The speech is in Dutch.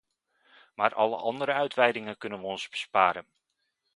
Maar alle andere uitweidingen kunnen we ons besparen.